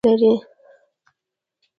دوکاندار د رښتیني مسلمان صفات لري.